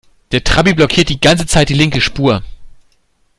Der Trabi blockiert die ganze Zeit die linke Spur.